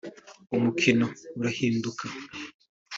umukino urahinduka